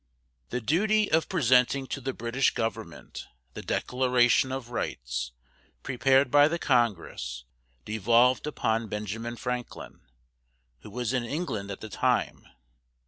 The duty of presenting to the British government the Declaration of Rights prepared by the Congress devolved upon Benjamin Franklin, who was in England at the time.